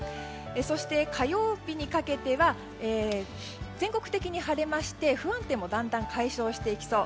そして、火曜日にかけては全国的に晴れまして不安定もだんだん解消していきそう。